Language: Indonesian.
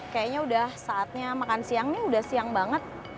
kayaknya udah saatnya makan siang nih udah siang banget